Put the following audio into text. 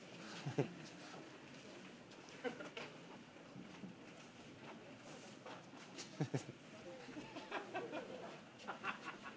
フフフフ！